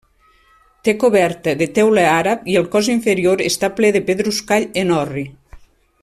Té coberta de teula àrab i el cos inferior està ple de pedruscall en orri.